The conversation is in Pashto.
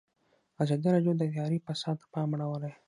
ازادي راډیو د اداري فساد ته پام اړولی.